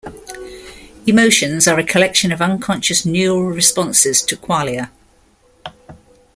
Emotions are a collection of unconscious neural responses to qualia.